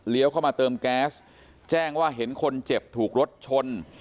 เข้ามาเติมแก๊สแจ้งว่าเห็นคนเจ็บถูกรถชน